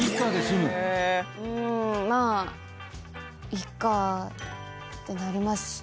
いっかってなりますね